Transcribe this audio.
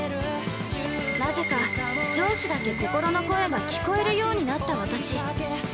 なぜか上司だけ、心の声が聞こえるようになった私。